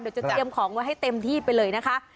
จะเตรียมของไว้ให้เต็มที่ไปเลยนะคะ